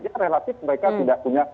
ya relatif mereka tidak berhubungan